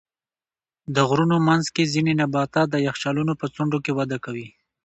د غرونو منځ کې ځینې نباتات د یخچالونو په څنډو کې وده کوي.